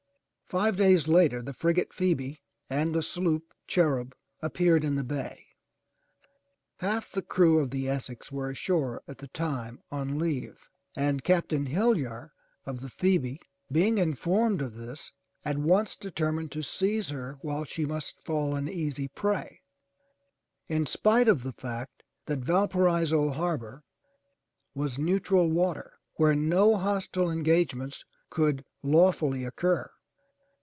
Five days later the frigate Phoebe and the sloop Cherub appeared in the bay. Half the crew of the Essex were ashore at the time on leave, and Captain Hillyar of the Phoebe, being informed of this, at once determined to seize her while she must fall an easy prey, in spite of the fact that Valparaiso Harbor was neutral water where no hostile engagements could lawfully occur.